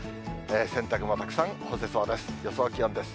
洗濯物たくさん干せそうです。